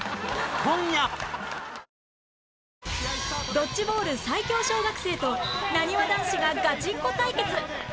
ドッジボール最強小学生となにわ男子がガチンコ対決